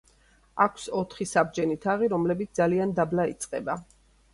აქვს ოთხი საბჯენი თაღი, რომლებიც ძალიან დაბლა იწყება.